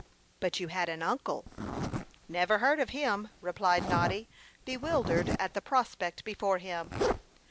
"But you had an uncle." "Never heard of him," replied Noddy, bewildered at the prospect before him.